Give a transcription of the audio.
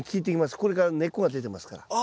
これから根っこが出てますから。